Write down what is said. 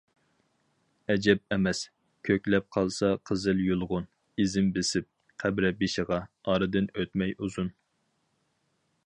ئەجەب ئەمەس، كۆكلەپ قالسا قىزىل يۇلغۇن، ئىزىم بېسىپ، قەبرە بېشىغا، ئارىدىن ئۆتمەي ئۇزۇن.